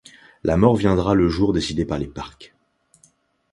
La mort viendra le jour décidé par les Parques.